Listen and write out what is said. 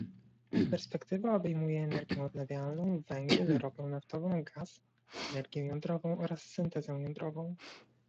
Perspektywa obejmuje energię odnawialną, węgiel, ropę naftową, gaz, energię jądrową oraz syntezę jądrową